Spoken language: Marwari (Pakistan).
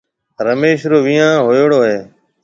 رميش رو ويهان هوئيوڙو هيَ۔